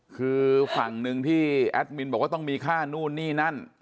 คือฝั่งหนึ่งที่แอดมินบอกว่าต้องมีค่านู่นนี่นั่น